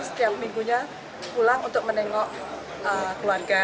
setiap minggunya pulang untuk menengok keluarga